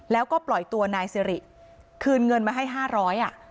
แล้วก็ปล่อยตัวนายสิริคืนเงินมาให้๕๐๐อ่ะ